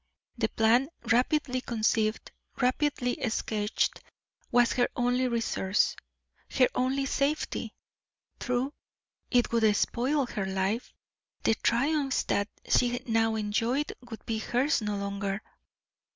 The plan, rapidly conceived, rapidly sketched, was her only resource, her only safety. True, it would spoil her life, the triumphs that she now enjoyed would be hers no longer.